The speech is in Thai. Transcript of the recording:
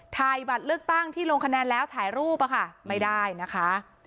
ถ่ายบัตรเลือกตั้งที่ลงคะแนนแล้วถ่ายรูปอะค่ะไม่ได้นะคะ